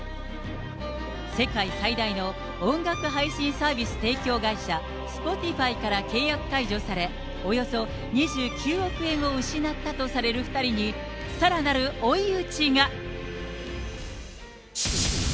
世界最大の音楽配信サービス提供会社、スポティファイから契約解除され、およそ２９億円を失ったとされる２人に、さらなる追い打ちが。